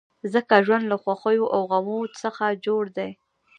ځکه ژوند له خوښیو او غمو څخه جوړ دی.